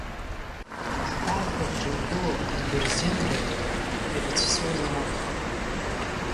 Аҳәаақәа рҿы игылоу абырзен ры ирыцәшәозар акәхап.